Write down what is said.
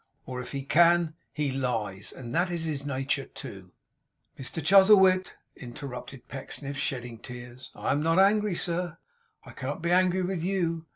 Or if he can, he Lies! And that's his nature, too.' 'Mr Chuzzlewit,' interrupted Pecksniff, shedding tears. 'I am not angry, sir. I cannot be angry with you.